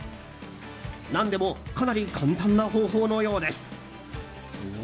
なんでもかなり簡単な方法のようです。